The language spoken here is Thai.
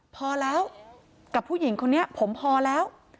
พอแล้วกับผู้หญิงคนนี้ผมพอแล้ว